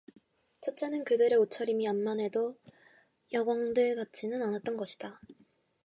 첫째는 그들의 옷차림이 암만 해도 여공들 같지는 않았던 것이다.